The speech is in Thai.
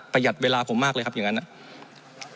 ประหยัดเวลาผมมากเลยครับอย่างนั้นนะ